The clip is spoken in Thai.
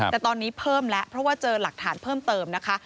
แต่ตอนนี้เพิ่มแล้วเพราะว่าเจอหลักฐานเพิ่มเติมนะคะ